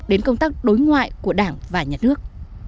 đến công tác đối ngoại của đảng và nhà nước